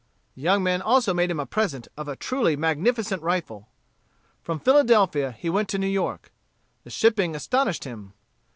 The young men also made him a present of a truly magnificent rifle. From Philadelphia he went to New York. The shipping astonished him.